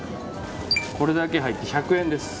これだけ入って１００円です。